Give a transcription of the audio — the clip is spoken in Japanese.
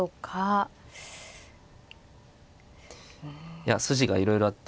いや筋がいろいろあって。